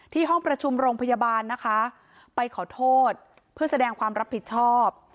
ห้องประชุมโรงพยาบาลนะคะไปขอโทษเพื่อแสดงความรับผิดชอบ